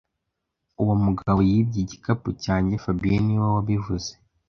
Uwo mugabo yibye igikapu cyanjye fabien niwe wabivuze